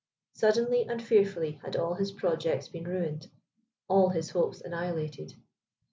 Suddenly and fearfully had all his projects been ruined all his hopes annihilated.